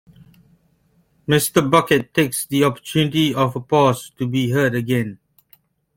Mr. Bucket takes the opportunity of a pause to be heard again.